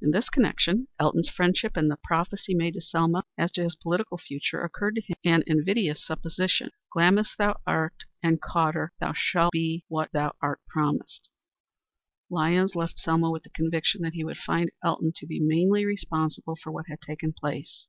In this connection Elton's friendship and the prophecy made to Selma as to his political future occurred to him and forbade an invidious supposition. "Glamis thou art, and Cawdor, and thou shalt be what thou art promised!" Lyons left Selma with the conviction that he would find Elton to be mainly responsible for what had taken place.